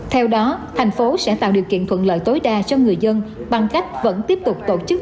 theo đó thành phố sẽ tạo điều kiện thuận lợi tối đa cho người dân bằng cách vẫn tiếp tục tổ chức